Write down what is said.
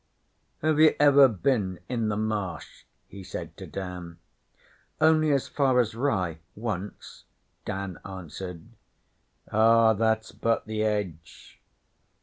'Have you ever bin in the Marsh?' he said to Dan. 'Only as far as Rye, once,' Dan answered. 'Ah, that's but the edge.